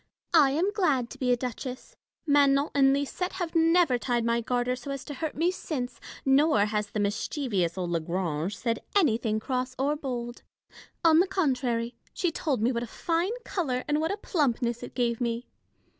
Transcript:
I am glad to be a duchess. Manon and Lisette have never tied my garter so as to hurt me since, nor has the mischievous old La Grange said anything cross or bold : on the contrary, she told me what a fine colour and what a plumpness it gave me.